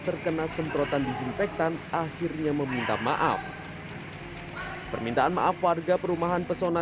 terkena semprotan disinfektan akhirnya meminta maaf permintaan maaf warga perumahan pesona